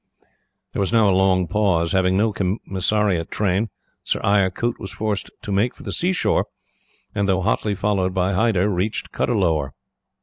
"There was now a long pause. Having no commissariat train, Sir Eyre Coote was forced to make for the seashore, and, though hotly followed by Hyder, reached Cuddalore.